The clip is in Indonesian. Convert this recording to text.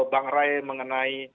bang ray mengenai